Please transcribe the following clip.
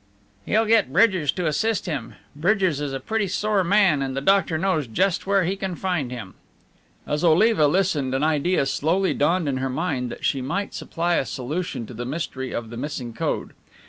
"He'll get Bridgers to assist him. Bridgers is a pretty sore man, and the doctor knows just where he can find him." As Oliva listened an idea slowly dawned in her mind that she might supply a solution to the mystery of the missing code.